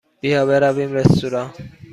بیا برویم رستوران.